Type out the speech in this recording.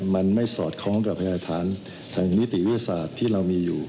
มันไม่สอดคล้องกับพยาฐานทางนิติวิทยาศาสตร์ที่เรามีอยู่